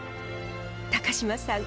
高島さん